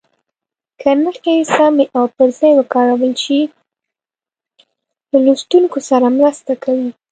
که نښې سمې او پر ځای وکارول شي له لوستونکي سره مرسته کوي.